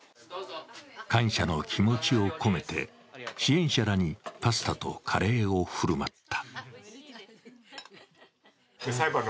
感謝の気持ちを込めて支援者らにパスタとカレーを振る舞った。